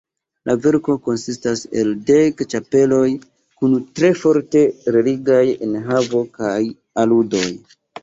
La verko konsistas el dek ĉapeloj kun tre forte religiaj enhavo kaj aludoj.